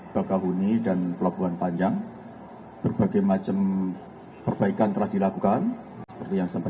bakahuni dan pelabuhan panjang berbagai macam perbaikan telah dilakukan seperti yang sempat